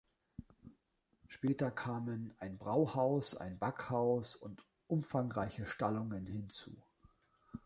Später kamen ein Brauhaus, ein Backhaus und umfangreiche Stallungen hinzu.